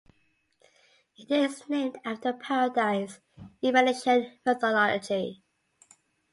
It is named after the paradise in Melanesian mythology.